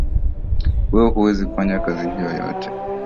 Wewe huwezi kufanya kazi hiyo yote